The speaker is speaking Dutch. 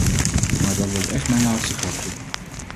Maar dat was echt mijn laatste grapje.